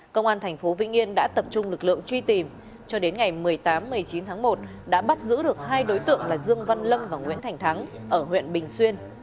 công an thành phố vĩnh yên đã tập trung lực lượng truy tìm cho đến ngày một mươi tám một mươi chín tháng một đã bắt giữ được hai đối tượng là dương văn lâm và nguyễn thành thắng ở huyện bình xuyên